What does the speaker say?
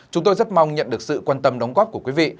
chúng tôi rất mong nhận được sự quan tâm đóng góp của quý vị